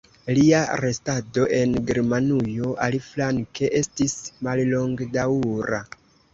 Lia restado en Germanujo, aliflanke, estis mallongdaŭra.